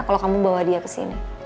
kalau kamu bawa dia kesini